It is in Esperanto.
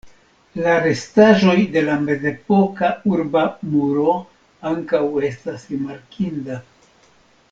La restaĵoj de la mezepoka urba muro ankaŭ estas rimarkinda.